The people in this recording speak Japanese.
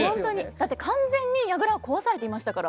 だって完全に櫓を壊されていましたから。